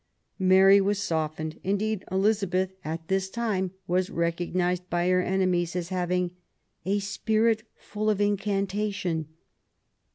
Mary was softened. Indeed Elizabeth a this time was recognised by her enemies as havinj a spirit full of incantation